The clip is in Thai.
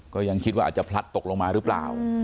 ก็ยังคิดว่าอาจจะพลัดตกลงมาหรือเปล่า